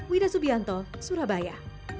widah subianto surabaya